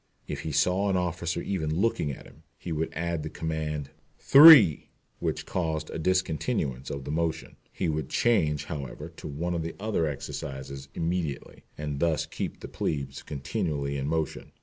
If he saw an officer even looking at him, he would add the command "three," which caused a discontinuance of the motion. He would change, however, to one of the other exercises immediately, and thus keep the plebes continually in motion.